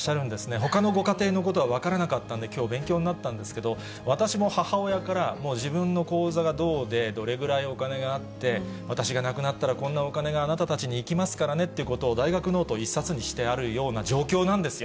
ほかのご家庭のことは分からなかったんで、きょう、勉強になったんですけど、私も母親から、もう自分の口座がどうで、どれぐらいお金があって、私が亡くなったらこんなお金があなたたちにいきますからねという大学ノート１冊にしてあるような状況なんですよ。